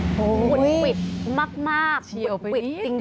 โอ้โฮหุ่นหวิดมากหุ่นหวิดจริงเฉียวไปอีกเดียว